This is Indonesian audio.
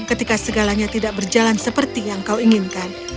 ketika segalanya tidak berjalan seperti yang kau inginkan